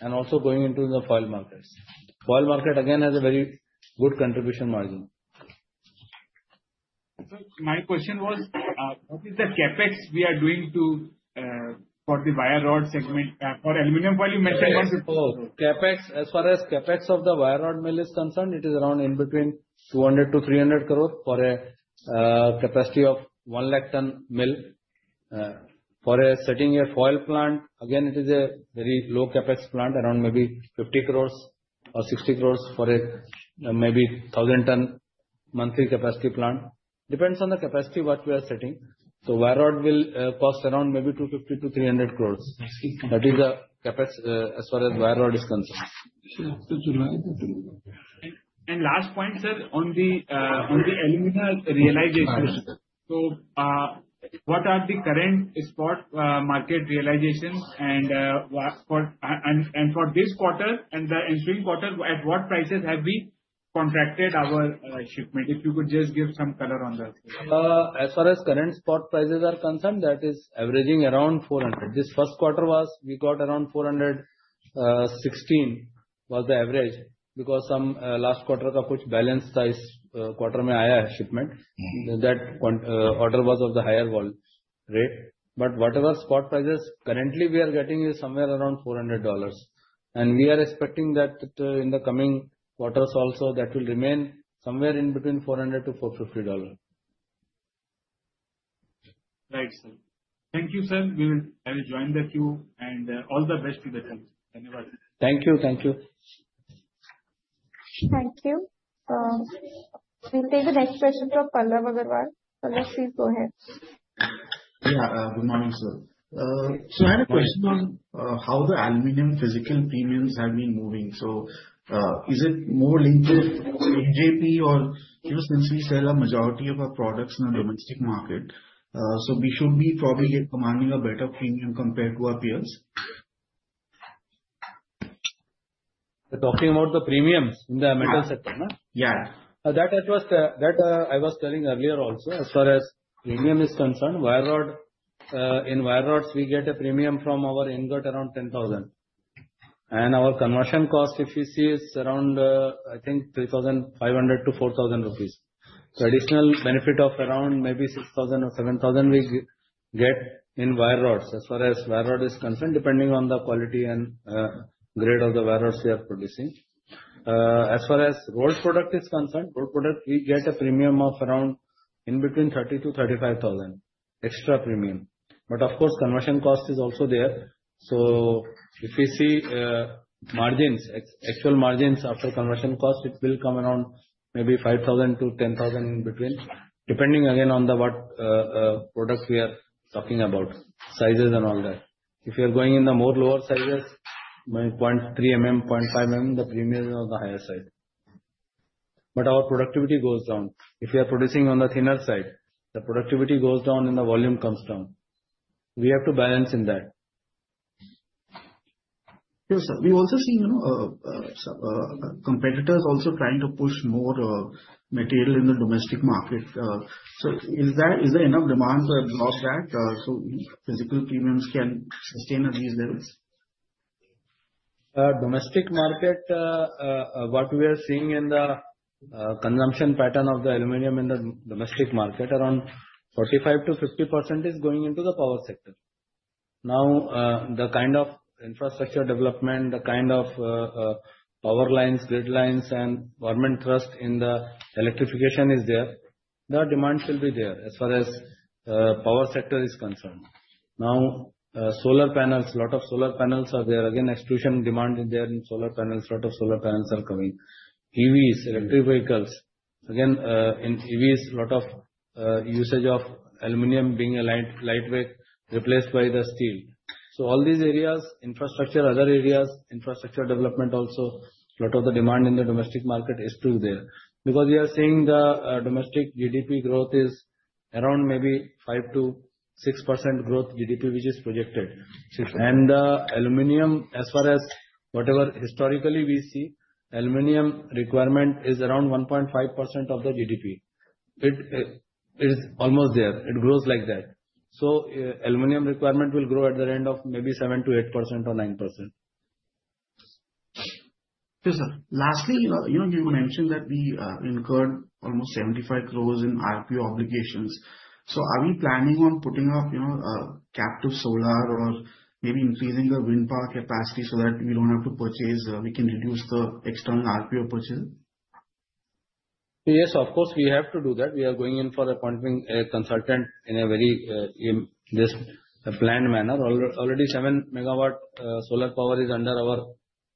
and also going into the foil markets. Foil market, again, has a very good contribution margin. My question was, what is the CapEx we are doing for the wire rod segment for aluminum foil? You mentioned once before. As far as CapEx of the wire rod mill is concerned, it is around in between INR 200-300 crore for a capacity of 1 lakh ton mill. For setting a foil plant, again, it is a very low CapEx plant, around maybe 50 crores or 60 crores for a maybe 1,000 ton monthly capacity plant. Depends on the capacity what we are setting. So wire rod will cost around maybe 250-300 crores. That is the CapEx as far as wire rod is concerned. And last point, sir, on the alumina realization. So what are the current spot market realizations? And for this quarter and the ensuing quarter, at what prices have we contracted our shipment? If you could just give some color on that. As far as current spot prices are concerned, that is averaging around $400. This first quarter was we got around $416 was the average because some last quarter which balance quarter shipment. That order was of the higher vol rate. But whatever spot prices currently we are getting is somewhere around $400. And we are expecting that in the coming quarters also that will remain somewhere in between $400-$450. Right, sir. Thank you, sir. I will join the queue. And all the best to the team. Thank you. Thank you. Thank you. We'll take the next question from Pallav Agarwal. Pallav, please go ahead. Yeah. Good morning, sir. So I had a question on how the aluminum physical premiums have been moving. So is it more linked with MJP or since we sell a majority of our products in the domestic market, so we should be probably commanding a better premium compared to our peers? You're talking about the premiums in the metal sector, no? Yeah. That I was telling earlier also as far as premium is concerned, in wire rods, we get a premium from our ingot around 10,000. And our conversion cost, if you see, is around, I think, 3,500-4,000 rupees. So, additional benefit of around maybe 6,000 or 7,000 we get in wire rods as far as wire rod is concerned, depending on the quality and grade of the wire rods we are producing. As far as roll product is concerned, roll product, we get a premium of around in between 30,000-35,000 extra premium. But of course, conversion cost is also there. So if you see margins, actual margins after conversion cost, it will come around maybe 5,000-10,000 in between, depending again on the product we are talking about, sizes and all that. If you're going in the more lower sizes, 0.3 mm-0.5 mm the premium is on the higher side. But our productivity goes down. If you are producing on the thinner side, the productivity goes down and the volume comes down. We have to balance in that. Yes, sir. We also see competitors also trying to push more material in the domestic market. So is there enough demand to absorb that so physical premiums can sustain at these levels? Domestic market, what we are seeing in the consumption pattern of the aluminum in the domestic market, around 45%-50% is going into the power sector. Now, the kind of infrastructure development, the kind of power lines, grid lines, and government thrust in the electrification is there. The demand will be there as far as power sector is concerned. Now, solar panels, a lot of solar panels are there. Again, extrusion demand is there in solar panels. A lot of solar panels are coming. EVs, electric vehicles. Again, in EVs, a lot of usage of aluminum being lightweight, replacing the steel. So all these areas, infrastructure, other areas, infrastructure development also, a lot of the demand in the domestic market is still there. Because we are seeing the domestic GDP growth is around maybe 5%-6% growth GDP, which is projected. And the aluminium, as far as whatever historically we see, aluminium requirement is around 1.5% of the GDP. It is almost there. It grows like that. So aluminium requirement will grow at the end of maybe 7%-8% or 9%. Yes, sir. Lastly, you mentioned that we incurred almost 75 crore in RPO obligations. So are we planning on putting up captive solar or maybe increasing the wind power capacity so that we don't have to purchase, we can reduce the external RPO purchase? Yes, of course, we have to do that. We are going in for appointing a consultant in a very planned manner. Already, 7 MW solar power is under our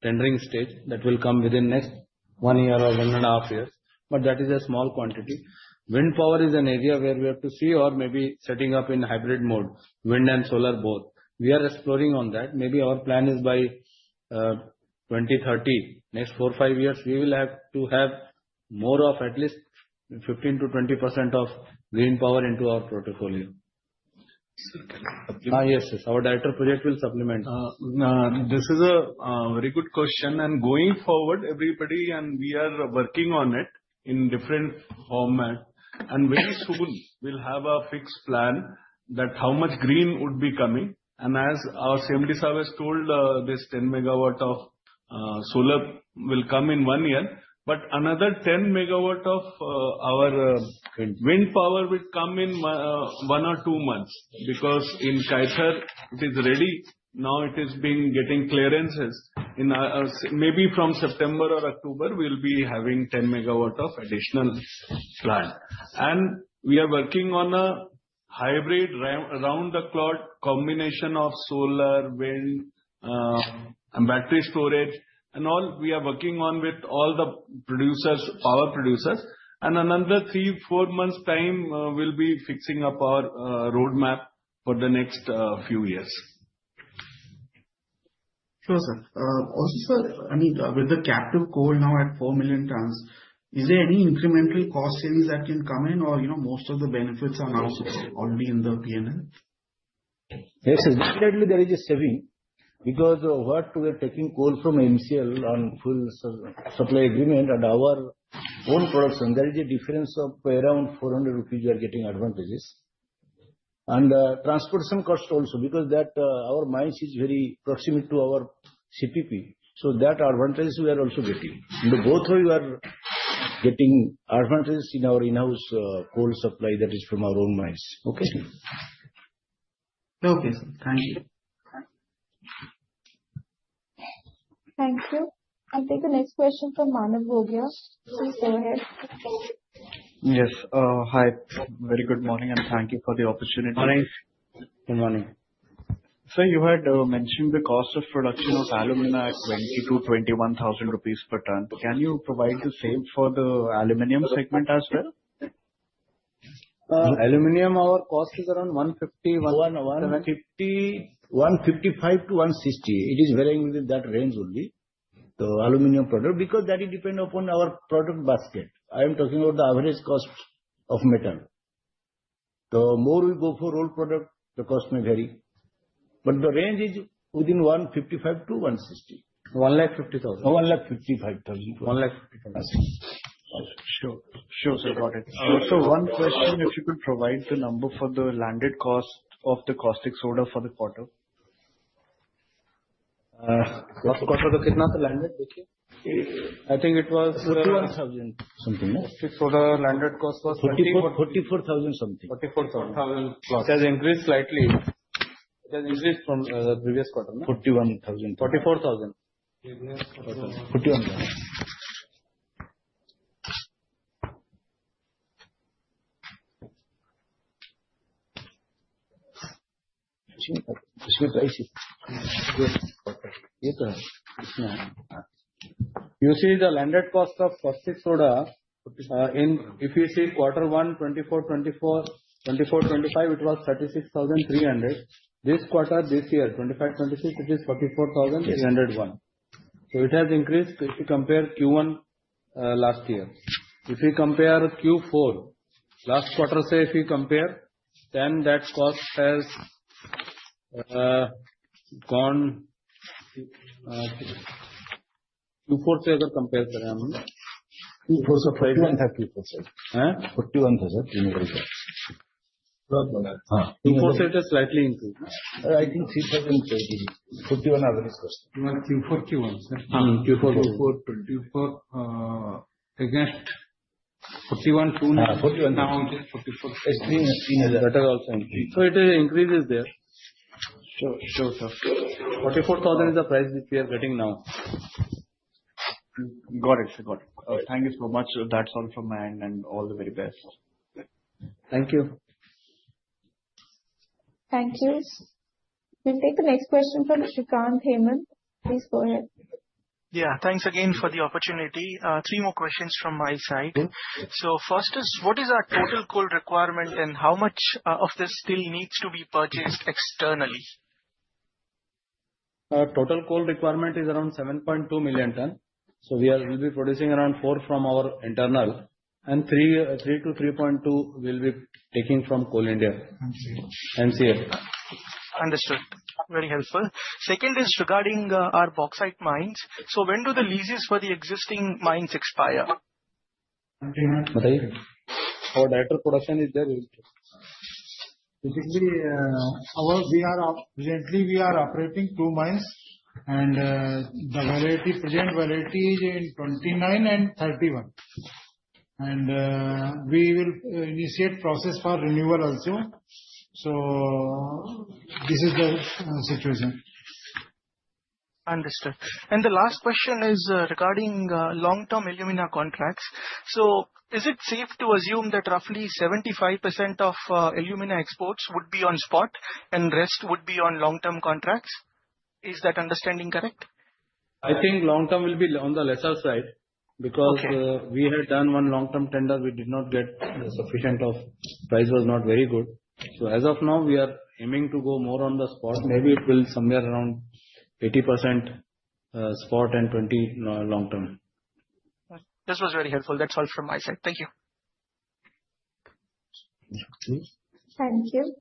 tendering stage. That will come within next one year or one and a half years. But that is a small quantity. Wind power is an area where we have to see or maybe setting up in hybrid mode, wind and solar both. We are exploring on that. Maybe our plan is by 2030, next four, five years, we will have to have more of at least 15%-20% of green power into our portfolio. Yes, yes. Our Director Projects will supplement. This is a very good question. And going forward, everybody, and we are working on it in different format. And very soon, we'll have a fixed plan that how much green would be coming. As our CMD sir has told, this 10 MW of solar will come in one year. Another 10 MW of our wind power will come in one or two months. Because in Kayathar, it is ready. Now it is being getting clearances. Maybe from September or October, we'll be having 10 MW of additional plant. We are working on a hybrid round-the-clock combination of solar, wind, and battery storage. We are working on all this with all the producers, power producers. In another three, four months' time, we will be fixing up our roadmap for the next few years. Sure, sir. Also, sir, I mean, with the captive coal now at four million tons, is there any incremental cost savings that can come in or most of the benefits are now already in the P&L? Yes, definitely, there is a saving. Because what we are taking coal from MCL on full supply agreement and our own products, and there is a difference of around 400 rupees, you are getting advantages. And transportation cost also. Because our mine is very proximate to our CPP. So that advantage we are also getting. Both of you are getting advantage in our in-house coal supply that is from our own mines. Okay? Okay, sir. Thank you. Thank you. I think the next question from Manav Gogia will be up. Please go ahead. Yes. Hi. Very good morning. And thank you for the opportunity. Good morning. Good morning. Sir, you had mentioned the cost of production of alumina at 20,000-21,000 rupees per ton. Can you provide the same for the aluminum segment as well? Aluminum, our cost is around 150,000, 155,000-160,000. It is varying within that range only. The aluminum product. Because that depends upon our product basket. I am talking about the average cost of metal. The more we go for roll product, the cost may vary. But the range is within 155,000-160,000. 150,000. 155,000. 155,000. Sure. Sure, sir. Got it. Also, one question, if you could provide the number for the landed cost of the caustic soda for the quarter. Last quarter, the landed cost was INR 41,000 something. Caustic soda landed cost was 44,000 something. 44,000+. It has increased slightly. It has increased from the previous quarter, no? 41,000. 44,000. 41,000. You see the landed cost of caustic soda in, if you see quarter one, 2024, 2025, it was 36,300. This quarter, this year, 2025, 2026, it is 44,301. So it has increased if you compare Q1 last year. If you compare Q4 last quarter, say if you compare, then that cost has gone up. From Q4 it has slightly increased. I think INR 3,000. INR 41,000 average cost. Q4, Q1. Against INR 41,000. Better also. So it increases there. Sure, sir. 44,000 is the price which we are getting now. Got it, sir. Got it. Thank you so much. That's all from my end. And all the very best. Thank you. Thank you. We'll take the next question from Shrikant. Please go ahead. Yeah. Thanks again for the opportunity. Three more questions from my side. So first is, what is our total coal requirement and how much of this still needs to be purchased externally? Total coal requirement is around 7.2 million tons. So we will be producing around four from our internal. Three to 3.2 million tons will be taking from Coal India. MCL. Understood. Very helpful. Second is regarding our bauxite mines. So when do the leases for the existing mines expire? Our Director Production is there. Basically, we are presently operating two mines. And the present validity is in 2029 and 2031. And we will initiate process for renewal also. So this is the situation. Understood. And the last question is regarding long-term alumina contracts. So is it safe to assume that roughly 75% of alumina exports would be on spot and rest would be on long-term contracts? Is that understanding correct? I think long-term will be on the lesser side. Because we had done one long-term tender, we did not get sufficient of. Price was not very good. So as of now, we are aiming to go more on the spot. Maybe it will be somewhere around 80% spot and 20% long-term. This was very helpful. That's all from my side. Thank you. Thank you.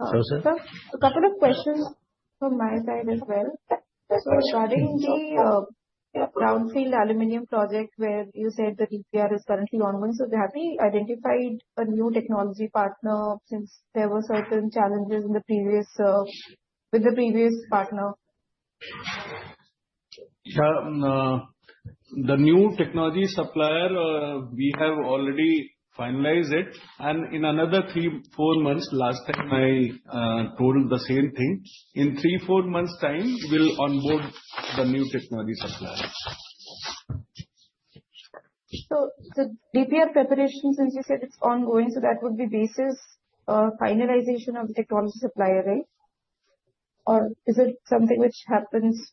Sure, sir. A couple of questions from my side as well. So regarding the brownfield aluminum project where you said that DPR is currently ongoing, so have you identified a new technology partner since there were certain challenges with the previous partner? The new technology supplier, we have already finalized it. And in another three, four months, last time I told the same thing, in three, four months' time, we'll onboard the new technology supplier. So the DPR preparation, since you said it's ongoing, so that would be basis finalization of the technology supplier, right? Or is it something which happens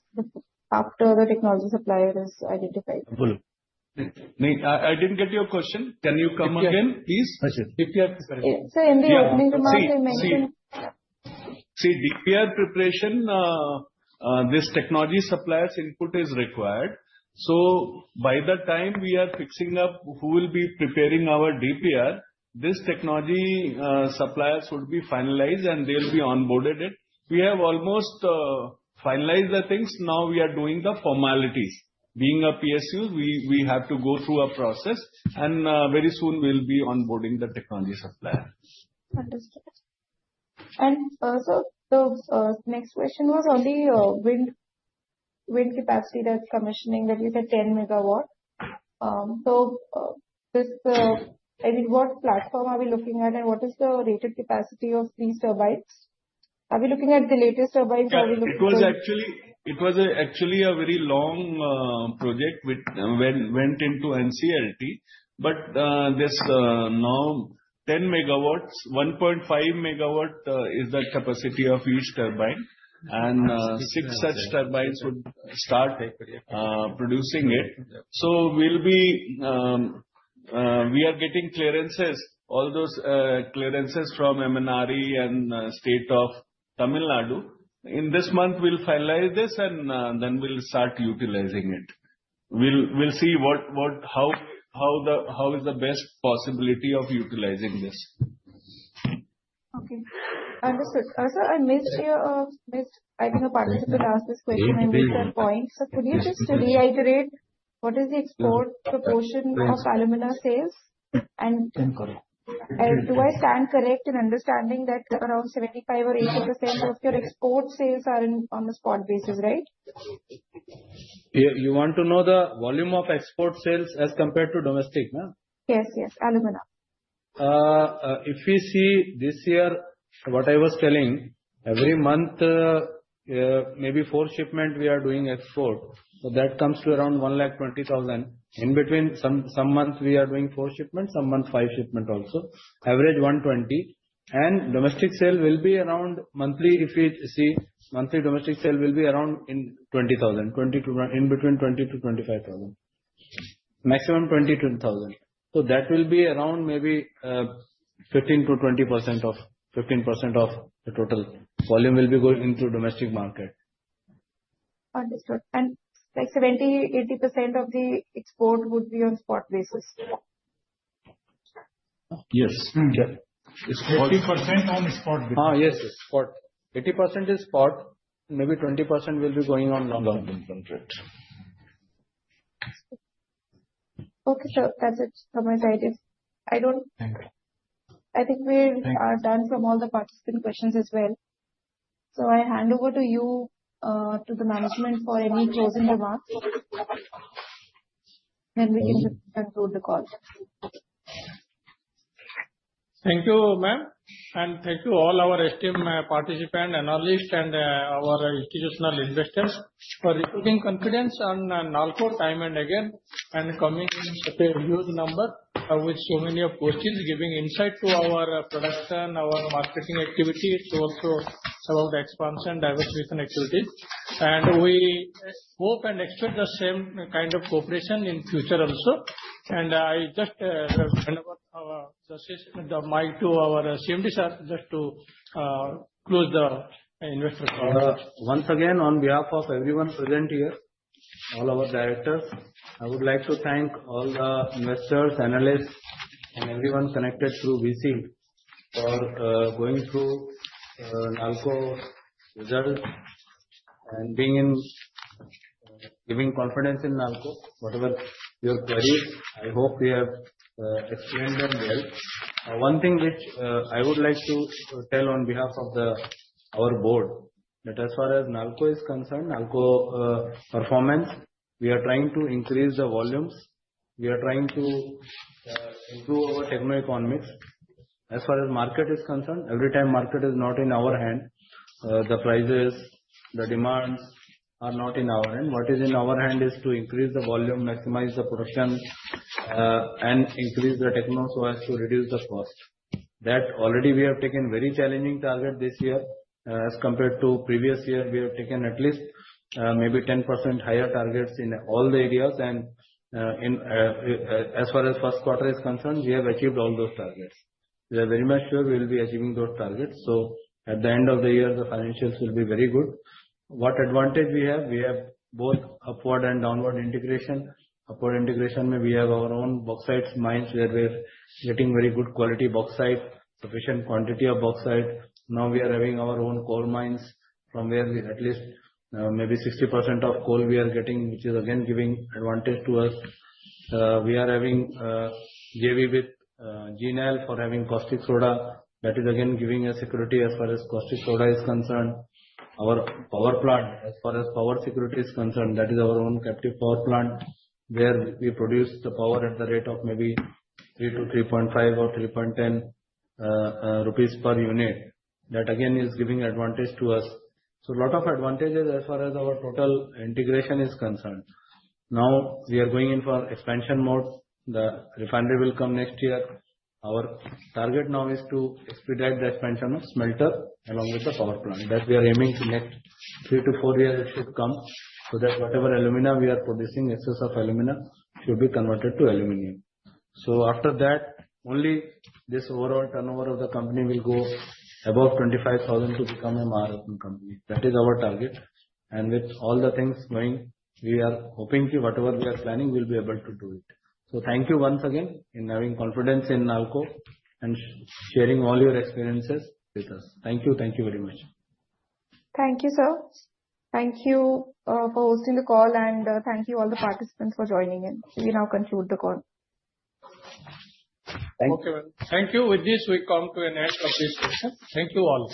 after the technology supplier is identified? I didn't get your question. Can you come again, please? Sure. Sure. Sir, in the aluminum market, you mentioned. See, DPR preparation. This technology supplier's input is required. So by the time we are fixing up who will be preparing our DPR, this technology supplier should be finalized and they'll be onboarded. We have almost finalized the things. Now we are doing the formalities. Being a PSU, we have to go through a process. Very soon, we'll be onboarding the technology supplier. Understood. The next question was on the wind capacity that's commissioning, that you said 10 MW. I mean, what platform are we looking at and what is the rated capacity of these turbines? Are we looking at the latest turbines or are we looking at? It was actually a very long project which went into NCLT. Now 10 MW, 1.5 MW is the capacity of each turbine. Six such turbines would start producing it. So we are getting clearances, all those clearances from MNRE and State of Tamil Nadu. In this month, we'll finalize this and then we'll start utilizing it. We'll see how is the best possibility of utilizing this. Okay. Understood. Sir, I missed your I think a participant asked this question and missed a point. So could you just reiterate what is the export proportion of alumina sales? And do I stand correct in understanding that around 75% or 80% of your export sales are on the spot basis, right? You want to know the volume of export sales as compared to domestic, ma'am? Yes, yes. Alumina. If you see this year, what I was telling, every month, maybe four shipments we are doing export. So that comes to around 120,000. In between, some months we are doing four shipments, some months five shipments also. Average 120. Domestic sale will be around monthly, if you see, monthly domestic sale will be around 20,000, in between 20,000-25,000. Maximum 20,000. So that will be around maybe 15%-20% of 15% of the total volume will be going into domestic market. Understood. And like 70%-80% of the export would be on spot basis? Yes. 40% on spot basis. Yes, yes. 80% is spot. Maybe 20% will be going on long-term. Okay, sir. That's it from my side. I think we're done from all the participant questions as well. So I hand over to you to the management for any closing remarks. Then we can conclude the call. Thank you, ma'am. Thank you all our esteemed participant analysts and our institutional investors for giving confidence on NALCO time and again and coming with your number with so many of questions giving insight to our production, our marketing activities, also about expansion diversification activities. We hope and expect the same kind of cooperation in future also. I just hand over the mic to our CMD sir just to close the investor call. Once again, on behalf of everyone present here, all our directors, I would like to thank all the investors, analysts, and everyone connected through VC for going through NALCO results and giving confidence in NALCO. Whatever your queries, I hope we have explained them well. One thing which I would like to tell on behalf of our board that as far as NALCO is concerned, NALCO performance, we are trying to increase the volumes. We are trying to improve our techno economics. As far as market is concerned, every time market is not in our hand, the prices, the demands are not in our hand. What is in our hand is to increase the volume, maximize the production, and increase the techno so as to reduce the cost. That already we have taken very challenging target this year. As compared to previous year, we have taken at least maybe 10% higher targets in all the areas. And as far as first quarter is concerned, we have achieved all those targets. We are very much sure we will be achieving those targets. So at the end of the year, the financials will be very good. What advantage we have? We have both upward and downward integration. Upward integration means we have our own bauxite mines where we are getting very good quality bauxite, sufficient quantity of bauxite. Now we are having our own coal mines from where at least maybe 60% of coal we are getting, which is again giving advantage to us. We are having JV with GACL for having caustic soda. That is again giving us security as far as caustic soda is concerned. Our power plant, as far as power security is concerned, that is our own captive power plant where we produce the power at the rate of maybe 3-3.5 or 3.10 rupees per unit. That again is giving advantage to us. So a lot of advantages as far as our total integration is concerned. Now we are going in for expansion mode. The refinery will come next year. Our target now is to expedite the expansion of smelter along with the power plant. That we are aiming to next three to four years should come so that whatever alumina we are producing, excess of alumina should be converted to aluminum. So after that, only this overall turnover of the company will go above 25,000 to become a Maharatna company. That is our target. And with all the things going, we are hoping whatever we are planning will be able to do it. So thank you once again in having confidence in NALCO and sharing all your experiences with us. Thank you. Thank you very much. Thank you, sir. Thank you for hosting the call. And thank you all the participants for joining in. We now conclude the call. Thank you. Thank you. With this, we come to an end of this question. Thank you all.